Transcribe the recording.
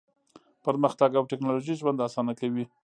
پرمختګ او ټیکنالوژي ژوند اسانه کوي.